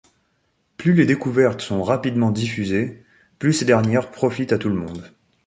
Plus les découvertes sont rapidement diffusées, plus ces dernières profitent à tout le monde.